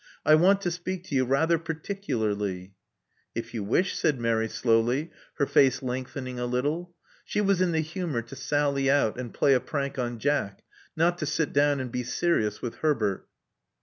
I want to speak to you rather particularly." If you wish," said Mary slowly, her face lengthen ing a little. She was in the humor to sally out and play a prank on Jack, not to sit down and be serious with Herbert.